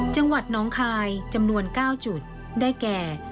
จังหวัดน้องคายจำนวน๙จุดได้แก่